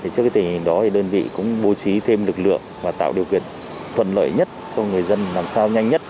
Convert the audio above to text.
trước tình hình đó đơn vị cũng bố trí thêm lực lượng và tạo điều kiện thuận lợi nhất cho người dân làm sao nhanh nhất